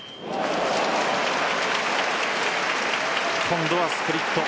今度はスプリット。